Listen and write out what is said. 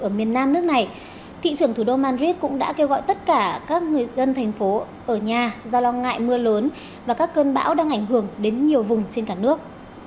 ở miền nam nước này thị trưởng thủ đô madrid cũng đã kêu gọi tất cả các người dân thành phố ở nhà do lo ngại mưa lớn và các cơn bão đang ảnh hưởng đến nhiều vùng trên cả nước